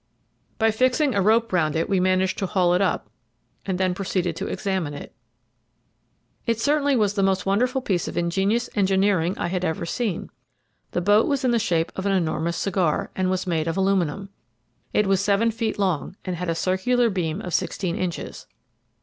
By fixing a rope round it we managed to haul it up, and then proceeded to examine it. It certainly was the most wonderful piece of ingenious engineering I had ever seen. The boat was in the shape of an enormous cigar, and was made of aluminium. It was seven feet long, and had a circular beam of sixteen inches.